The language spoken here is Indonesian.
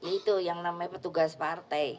itu yang namanya petugas partai